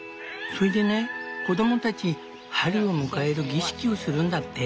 それでね子供たち春を迎える儀式をするんだって。